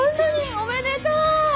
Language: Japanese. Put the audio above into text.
おめでとう！